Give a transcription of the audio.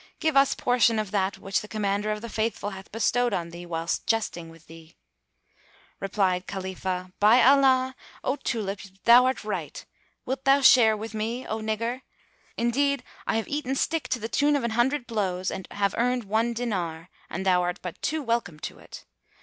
Give us portion of that which the Commander of the Faithful hath bestowed on thee, whilst jesting with thee." Replied Khalifah, "By Allah, O Tulip, thou art right! Wilt thou share with me, O nigger? Indeed, I have eaten stick to the tune of an hundred blows and have earned one dinar, and thou art but too welcome to it."